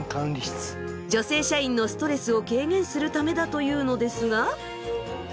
女性社員のストレスを軽減するためだというのですが。